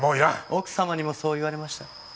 奥様にもそう言われました。